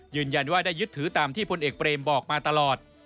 ยืนยันว่าได้ยึดถือตามที่พลเอกเบรมบอกมาตลอด